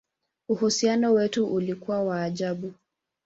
Uhusiano wetu ulikuwa wa ajabu!